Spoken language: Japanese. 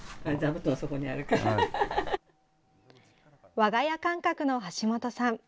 我が家感覚の橋本さん。